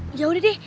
oh ya udah deh